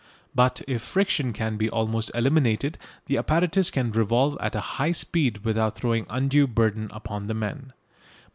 But if friction can be almost eliminated the apparatus can revolve at a high speed without throwing undue burden upon the men.